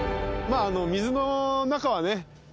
あの水の中はね